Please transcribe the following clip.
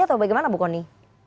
atau bagaimana bu kony